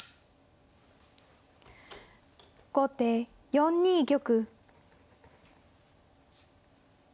後手４二玉。